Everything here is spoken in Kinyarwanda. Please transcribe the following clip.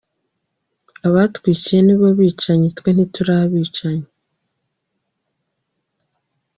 Abatwiciye ni bo bicanyi, twe ntituli abicanyi.